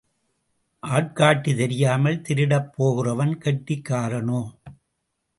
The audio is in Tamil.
ஆட்காட்டி தெரியாமல் திருடப் போகிறவன் கெட்டிக்காரனோ?